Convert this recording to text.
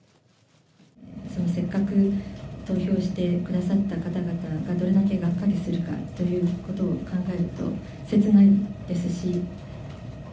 せっかく投票してくださった方々がどれだけがっかりするかということを考えると、切ないですし。